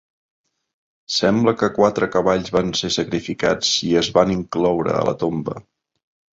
Sembla que quatre cavalls van ser sacrificats i es van incloure a la tomba.